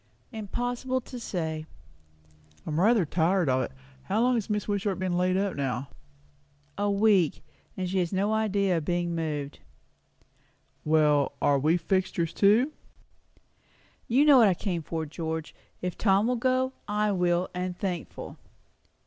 "Impossible to say." "I'm rather tired of it. How long has Mrs. Wishart been laid up now?" "A week; and she has no idea of being moved." "Well, are we fixtures too?" "You know what I came for, George. If Tom will go, I will, and thankful."